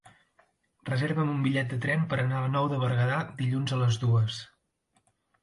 Reserva'm un bitllet de tren per anar a la Nou de Berguedà dilluns a les dues.